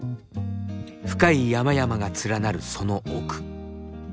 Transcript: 深い山々が連なるその奥。